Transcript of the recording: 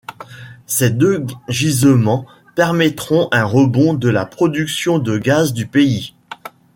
Ces deux gisements permettront un rebond de la production de gaz du pays.